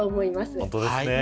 本当ですね。